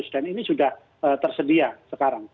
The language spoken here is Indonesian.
dan ini sudah tersedia sekarang